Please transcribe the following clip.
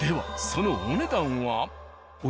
そのお値段は？